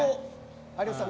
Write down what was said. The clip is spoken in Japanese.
有吉さん